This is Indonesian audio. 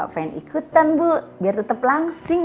pengen ikutan bu biar tetap langsing